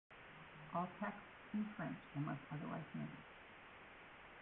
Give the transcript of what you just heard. All texts in French unless otherwise noted.